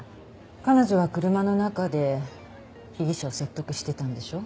彼女は車の中で被疑者を説得してたんでしょ。